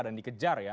dan dikejar ya